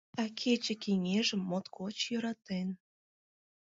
А кече кеҥежым моткоч йӧратен.